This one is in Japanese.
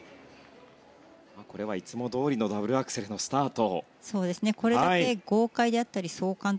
これはいつもどおりのダブルアクセルのスタート。